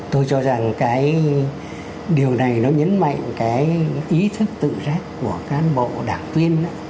tôi cho rằng cái điều này nó nhấn mạnh cái ý thức tự giác của cán bộ đảng viên